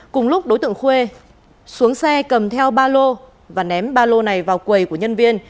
cùng lúc đối tượng khuê xuống xe cầm theo ba lô và ném ba lô này vào quầy của nhân viên